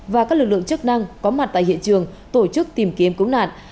và các lực lượng chức năng có mặt tại hiện trường tổ chức tìm kiếm cứu nạn